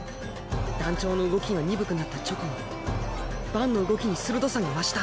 団長の動きが鈍くなった直後バンの動きに鋭さが増した。